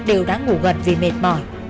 đều đã ngủ gần vì mệt mỏi